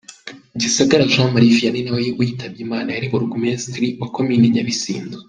Gisagara Jean Marie Vianney nawe witabye Imana, yari Burugumestre wa komini Nyabisindu.